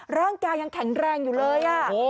ร่างกายยังแข็งแรงอยู่เลย